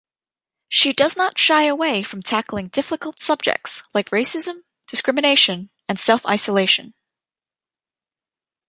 She does not shy away from tackling difficult subjects like racism, discrimination and self-isolation.